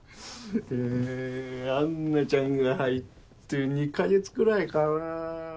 安奈ちゃんが入って２か月くらいかな。